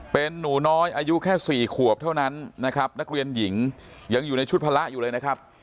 เป็นหนูน้อยอายุแค่๔ขวบเท่านั้นนะครับนักเรียนหญิงยังอยู่ในชุดพละอยู่เลยนะครับ